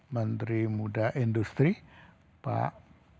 menteri muda industri pak